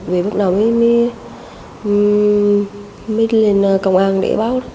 vì lúc nào mới lên công an để báo